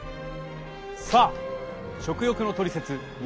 さあ「食欲のトリセツ２０２１」。